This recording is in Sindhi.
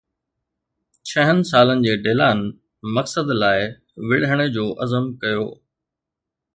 ڇهن سالن جي ڊيلان مقصد لاءِ وڙهڻ جو عزم ڪيو.